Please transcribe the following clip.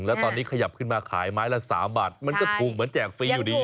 แล้วตอนนี้ขยับขึ้นมาขายไม้ละ๓บาทมันก็ถูกเหมือนแจกฟรีอยู่ดี